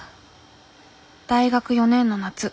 大学４年の夏。